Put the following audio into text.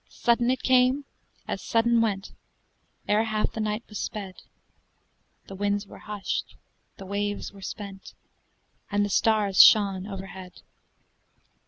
Sudden it came, as sudden went; Ere half the night was sped, The winds were hushed, the waves were spent, And the stars shone overhead.